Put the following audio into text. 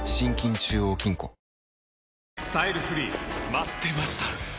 待ってました！